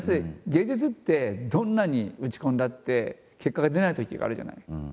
芸術ってどんなに打ち込んだって結果が出ないときがあるじゃない。